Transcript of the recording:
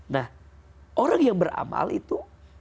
nah orang yang beramal itu